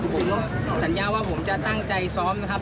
ผมสัญญาว่าผมจะตั้งใจซ้อมนะครับ